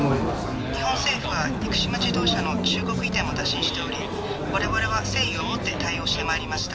日本政府は生島自動車の中国移転も打診しており我々は誠意を持って対応してまいりました